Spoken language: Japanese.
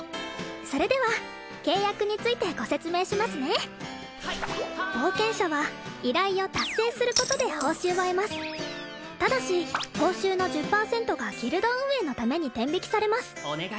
それでは契約についてご説明しますね冒険者は依頼を達成することで報酬を得ますただし報酬の１０％がギルド運営のために天引きされます